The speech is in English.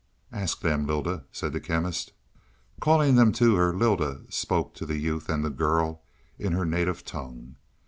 "Ask them, Lylda," said the Chemist. Calling them to her, Lylda spoke to the youth and the girl in her native tongue.